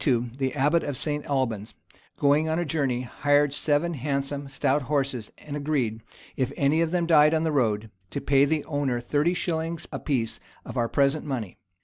] About 1232, the abbot of St. Alban's, going on a journey, hired seven handsome, stout horses; and agreed, if any of them died on the road, to pay the owner thirty shillings apiece of our present money.